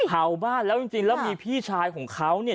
เผาบ้านแล้วจริงแล้วมีพี่ชายของเขาเนี่ย